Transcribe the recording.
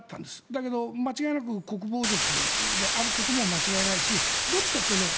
だけど間違いなく国防族であることも間違いないしどっちかというとＧｉ！